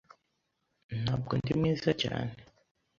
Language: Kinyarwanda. Ntabwo ndi mwiza cyane.